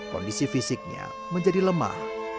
kondisi fisiknya menjadi lemah